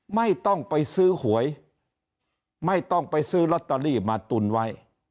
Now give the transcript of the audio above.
ไม่ต้องไปซื้อหวยไม่ต้องไปซื้อลอตเตอรี่มาตุนไว้